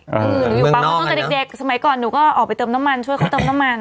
คือหนูอยู่ปั๊มเขาตั้งแต่เด็กสมัยก่อนหนูก็ออกไปเติมน้ำมันช่วยเขาเติมน้ำมัน